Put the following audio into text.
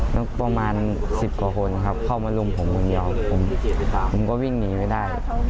แล้วประมาณ๑๐กว่าคนครับเข้ามารุมผมคนเดียวผมก็วิ่งหนีไม่ได้